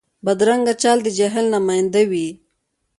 بدرنګه چال د جهل نماینده وي